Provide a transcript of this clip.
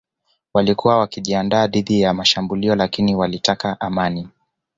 Walikuwa wakijiandaa dhidi ya shambulio lakini walitaka amani